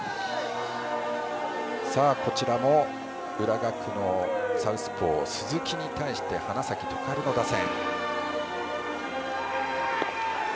こちらも浦学のサウスポー鈴木に対して花咲徳栄の打線。